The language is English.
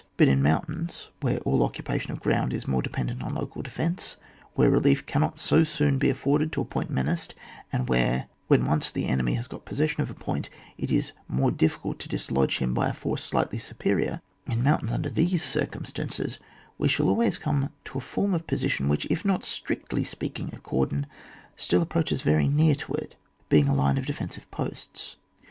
But in mountains where all occupation cTf ground is more dependent on local defence, where relief cannot so soon be afforded to a point menaced, and where, when once the enemy has got possession of a point, it is more difficult to dislodge him by a force slightly superior — in mountains, under these circumstances, we shall always come to a form of posi tion which, if not strictly speaking a cordon, still approaches very near to it, being a line of defensive posts.